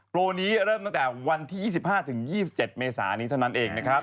โปรนี้เริ่มตั้งแต่วันที่๒๕๒๗เมษานี้เท่านั้นเองนะครับ